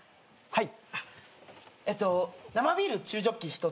はい。